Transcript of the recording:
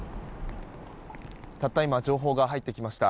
たった今情報が入ってきました。